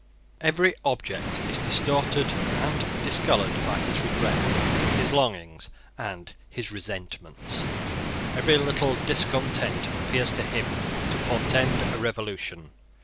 Every object is distorted and discoloured by his regrets, his longings, and his resentments. Every little discontent appears to him to portend a revolution.